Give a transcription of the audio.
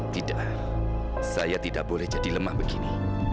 tidak saya tidak boleh jadi lemah begini